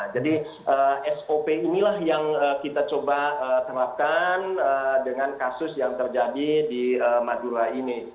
jadi sop inilah yang kita coba terapkan dengan kasus yang terjadi di madura ini